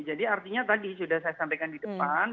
jadi artinya tadi sudah saya sampaikan di depan